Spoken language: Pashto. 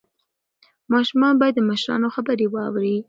ماشومان باید د مشرانو خبرې واوري.